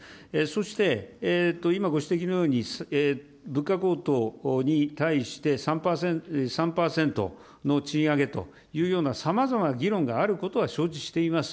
そして今ご指摘のように、物価高騰に対して３％の賃上げというようなさまざまな議論があることは承知しています。